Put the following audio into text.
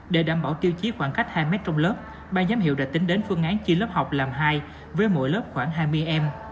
để đảm bảo tiêu chí khoảng cách hai mét trong lớp ba giám hiệu đã tính đến phương án chia lớp học làm hai với mỗi lớp khoảng hai mươi em